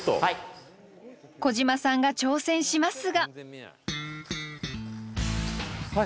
小島さんが挑戦しますが。